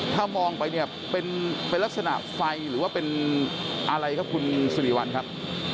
ถ้ามองไปเนี่ยเป็นลักษณะไฟหรือว่าเป็นอะไรครับคุณสิริวัลครับ